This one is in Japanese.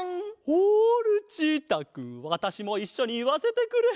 おおルチータくんわたしもいっしょにいわせてくれ！